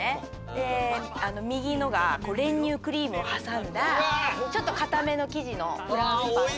で右のが練乳クリームを挟んだちょっと硬めの生地のフランスパンで。